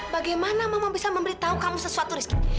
bagaimana mama bisa memberitahu kamu sesuatu rizki